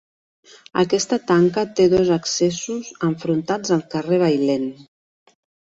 Aquesta tanca té dos accessos enfrontats al carrer Bailèn.